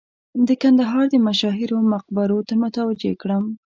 د کندهار مشاهیرو مقبرو ته متوجه کړم.